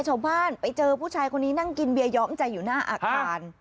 ชาวบ้านไปเจอผู้ชายคนนี้นั่งกินเบียย้อมใจอยู่หน้าอาคาร